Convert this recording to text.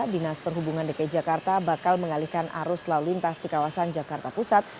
dinas perhubungan dki jakarta bakal mengalihkan arus lalu lintas di kawasan jakarta pusat